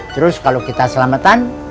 terus kalau kita selamatan